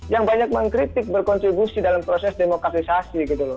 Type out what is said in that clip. yang banyak mengkritik berkontribusi dalam proses demokrasisasi